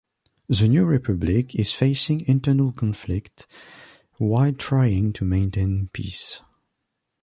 The New Republic is facing internal conflict while trying to maintain peace.